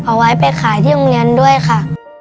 เอาไว้ไปขายที่โรงเรียนด้วยค่ะ